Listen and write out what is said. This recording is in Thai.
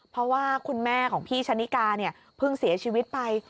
เพราะว่าคุณแม่ของพี่ชะนิกาเนี่ยเพิ่งเสียชีวิตไป